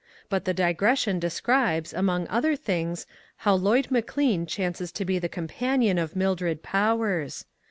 But the digression describes, among other things, how Lloyd McLean chances to be the com panion of Mildred Powers.